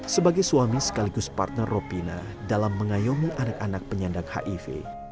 sebagai suami sekaligus partner ropina dalam mengayomi anak anak penyandang hiv